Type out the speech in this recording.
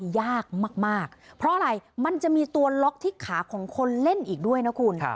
ยากมากเพราะอะไรมันจะมีตัวล็อกที่ขาของคนเล่นอีกด้วยนะคุณ